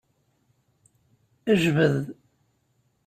Jbed.